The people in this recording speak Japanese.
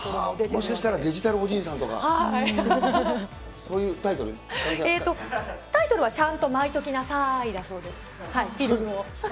もしかしたらデジタルおじいタイトルは、ちゃんとまいときなさーいだそうです。